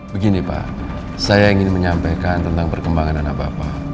begini pak saya ingin menyampaikan tentang perkembangan anak bapak